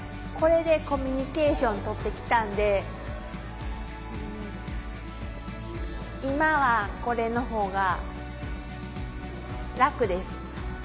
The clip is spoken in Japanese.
これでコミュニケーションとってきたんで今はこれの方が楽です。